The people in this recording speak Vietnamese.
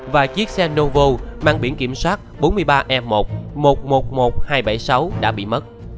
và chiếc xe novo mang biển kiểm soát bốn mươi ba e một một trăm một mươi một nghìn hai trăm bảy mươi sáu đã bị mất